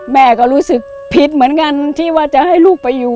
แม่ก็รู้สึกผิดเหมือนกันที่ว่าจะให้ลูกไปอยู่